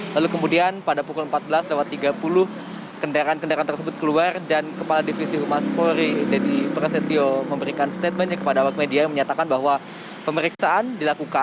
lalu kemudian pada pukul empat belas tiga puluh kendaraan kendaraan tersebut keluar dan kepala divisi humas polri dedy prasetyo memberikan statementnya kepada awak media yang menyatakan bahwa pemeriksaan dilakukan